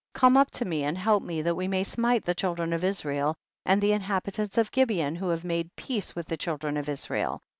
Come up to me and help me, that we may smite the children of Israel and the inhabitants of Gibeon who have made peace with the child ren of Israel.